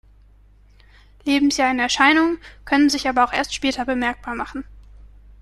Lebensjahr in Erscheinung, können sich aber auch erst später bemerkbar machen.